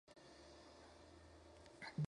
Frey vive en Annapolis, Maryland.